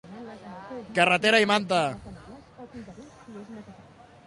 Carretera i manta.